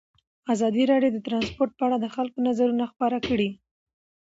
ازادي راډیو د ترانسپورټ په اړه د خلکو نظرونه خپاره کړي.